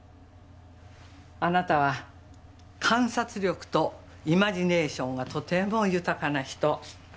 あなたは観察力とイマジネーションがとても豊かな人。